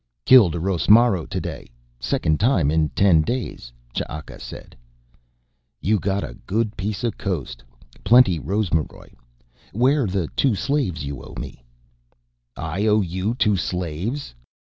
"Killed a rosmaro today, second time in ten days," Ch'aka said. "You got a good piece coast. Plenty rosmaroj. Where the two slaves you owe me?" "I owe you two slaves?"